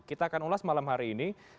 kita akan ulas malam hari ini